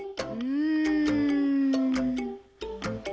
うん。